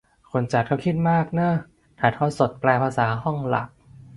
คนจัดเขาคิดมากเนอะ ถ่ายทอดสด แปลภาษาห้องหลัก